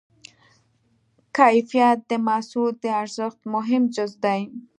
کیفیت د محصول د ارزښت مهم جز دی.